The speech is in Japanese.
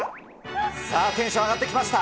さあ、テンション上がってきました。